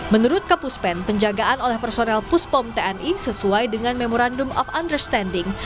menurut kapuspen penjagaan oleh personel puspom tni sesuai dengan memorandum of understanding